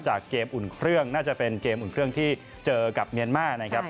เกมอุ่นเครื่องน่าจะเป็นเกมอุ่นเครื่องที่เจอกับเมียนมาร์นะครับ